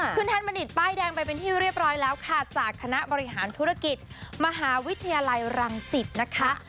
แทนบัณฑิตป้ายแดงไปเป็นที่เรียบร้อยแล้วค่ะจากคณะบริหารธุรกิจมหาวิทยาลัยรังสิตนะคะ